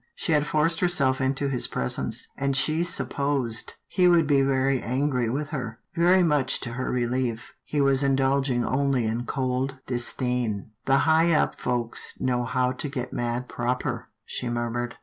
She had forced herself into his presence, and she supposed he would be very angry with her. Very much to her relief, he was indulging only in cold disdain. " The high up folks know how to get mad proper," she murmured.